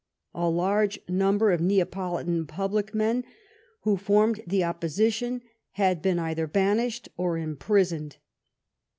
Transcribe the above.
A large number of Neapolitan public men who formed the oppo sition had been either banished or imprisoned.